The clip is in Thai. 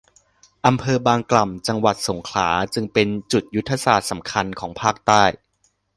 อำเภอบางกล่ำ จังหวัดสงขลาจึงเป็นจุดยุทธศาสตร์สำคัญของภาคใต้